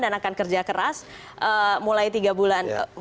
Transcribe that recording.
dan akan kerja keras mulai tiga bulan